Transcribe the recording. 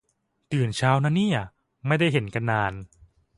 ตื่นเช้านะเนี่ย ไม่ได้เห็นกันนาน